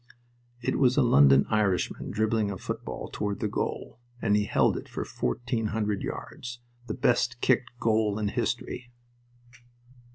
It was a London Irishman dribbling a football toward the goal, and he held it for fourteen hundred yards the best kicked goal in history.